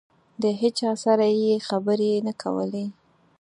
د هېچا سره یې خبرې نه کولې.